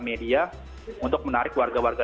media untuk menarik warga warga